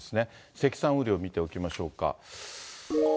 積算雨量見ておきましょうか。